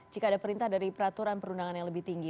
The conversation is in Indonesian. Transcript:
jika ada perintah dari peraturan perundangan yang lebih tinggi